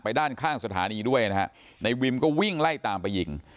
ด้านข้างสถานีด้วยนะฮะในวิมก็วิ่งไล่ตามไปยิง